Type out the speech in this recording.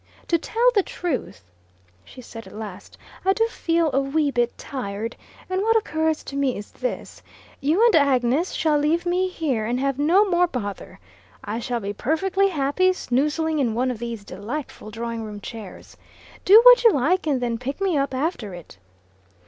"To tell the truth," she said at last, "I do feel a wee bit tired, and what occurs to me is this. You and Agnes shall leave me here and have no more bother. I shall be perfectly happy snoozling in one of these delightful drawing room chairs. Do what you like, and then pick me up after it."